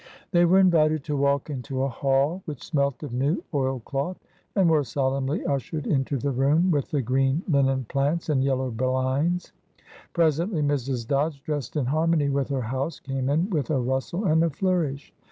They were invited to walk into a hall which smelt of new oil cloth, and were solemnly ushered into the room with the green linen plants and yellow blinds. Presently Mrs. Dodge, dressed in harmony with her house, came in with a rustle and a flourish.